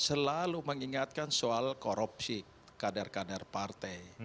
selalu mengingatkan soal korupsi kader kader partai